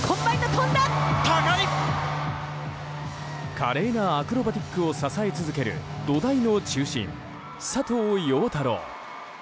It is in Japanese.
華麗なアクロバティックを支え続る土台の中心、佐藤陽太郎。